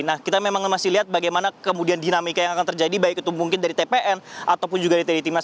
nah kita memang masih lihat bagaimana kemudian dinamika yang akan terjadi baik itu mungkin dari tpn ataupun juga dari timnas